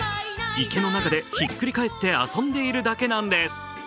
池の中でひっくり返って遊んでいるだけなんです。